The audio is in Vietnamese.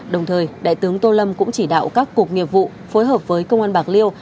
đồng thời đại tướng tô lâm cũng chỉ đạo các cục nghiệp vụ phối hợp với công an bạc liêu